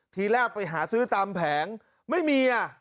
ทีแรกไปหาซื้อตามแผงไม่มีอ่ะ